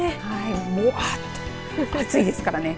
もわっと暑いですからね。